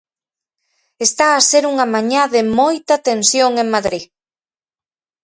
Está a ser unha mañá de moita tensión en Madrid.